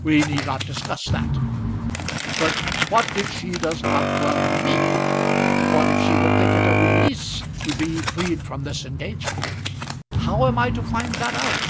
"We need not discuss that. But what if she does not love me? What if she would think it a release to be freed from this engagement? How am I to find that out?"